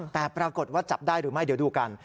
แต่ปรากฏว่าจับได้หรือไม่เดี๋ยวดูกัน